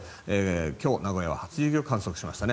今日、名古屋は初雪を観測しました。